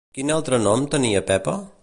Quin altre nom tenia Pepa?